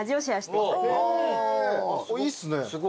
いいっすね。